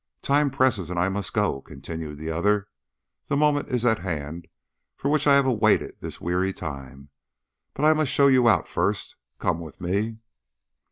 "Time presses, and I must go," continued the other. "The moment is at hand for which I have waited this weary time. But I must show you out first. Come with me."